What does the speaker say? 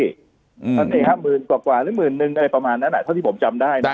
นั่นเนี่ยครับหมื่นกว่าหรือหมื่นหนึ่งประมาณนั้นแหละเท่าที่ผมจำได้นะ